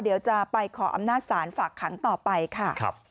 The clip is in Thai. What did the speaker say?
เดี๋ยวจะไปขออำนาจศาลฝากขังต่อไปค่ะ